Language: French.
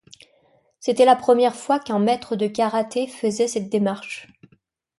C'était la première fois qu'un maître de karaté faisait cette démarche.